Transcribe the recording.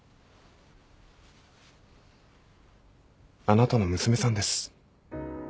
あなたの娘さんです。